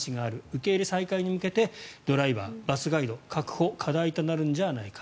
受け入れ再開に向けてドライバー、バスガイド確保が課題となるんじゃないか。